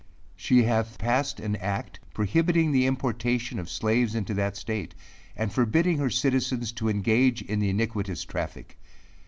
She hath passed an act prohibiting the importation of slaves into that state, and forbidding her citizens to engage in the iniquitous traffic.